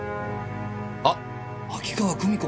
あっ秋川久美子！